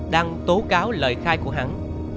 đang tố cáo lời khai của hắn